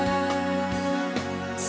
menikah denganmu menetapkan cinta